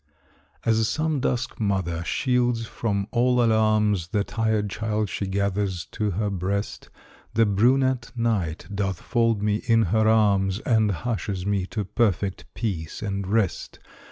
As some dusk mother shields from all alarms The tired child she gathers to her breast, The brunette Night doth fold me in her arms, And hushes me to perfect peace and rest.